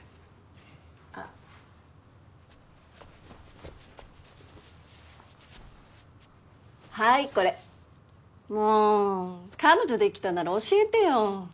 あっはいこれもう彼女できたなら教えてよ